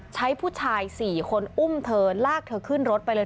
ใช้ผู้ชาย๔คนอุ้มเธอลากเธอขึ้นรถไปเลย